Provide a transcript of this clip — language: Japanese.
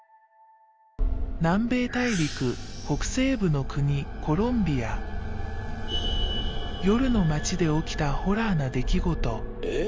南米大陸北西部の国夜の街で起きたホラーな出来事